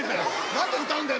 何で歌うんだよ。